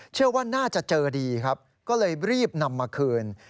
เชื่อว่าน่าจะเจอดีครับก็เลยรีบนำมาคืน